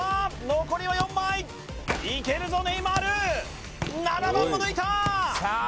残りは４枚いけるぞネイマール７番も抜いたさあ